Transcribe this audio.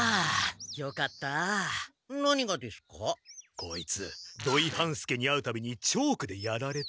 こいつ土井半助に会うたびにチョークでやられて。